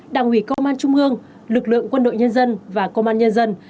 đảng ủy công an trung ương lực lượng quân đội nhân dân và công an nhân dân